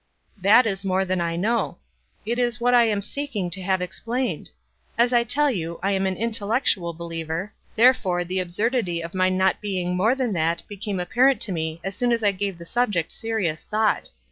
'"That is more than I know. It is what I am seeking to have explained. As I tell you, I am an intellectual believer, therefore the absurdity of my not being more than that became appar ent to me as soon as I gave the subject serious thought.